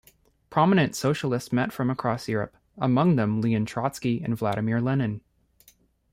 Prominent socialists met from across Europe, among them Leon Trotsky and Vladimir Lenin.